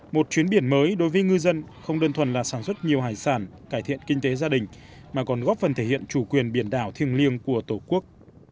một chuyến biển mới đối với ngư dân không đơn thuần là sản xuất nhiều hải sản cải thiện kinh tế gia đình mà còn góp phần thể hiện chủ quyền biển đảo thiêng liêng của tổ quốc